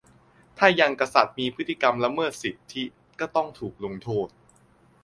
- ถ้ายังกษัตริย์มีพฤติกรรมละเมิดสิทธิ ก็ต้องถูกลงโทษ